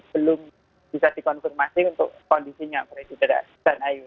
belum bisa dikonfirmasi untuk kondisinya presiden ayu